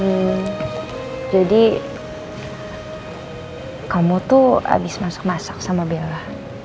hmm jadi kamu tuh habis masak masak sama bella